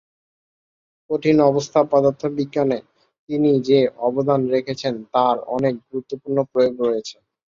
কঠিন অবস্থা পদার্থবিজ্ঞানে তিনি যে অবদান রেখেছেন তার অনেক গুরুত্বপূর্ণ প্রয়োগ রয়েছে।